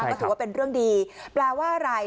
ก็ถือว่าเป็นเรื่องดีแปลว่าอะไร